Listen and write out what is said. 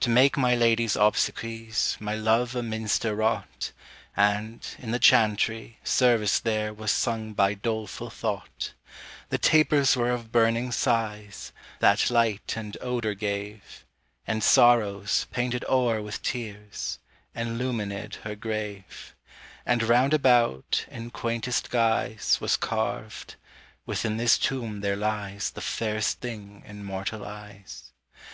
To make my lady's obsequies My love a minster wrought, And, in the chantry, service there Was sung by doleful thought; The tapers were of burning sighs, That light and odor gave: And sorrows, painted o'er with tears, Enluminèd her grave; And round about, in quaintest guise, Was carved: "Within this tomb there lies The fairest thing in mortal eyes."